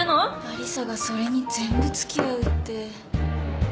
アリサがそれに全部つきあうって。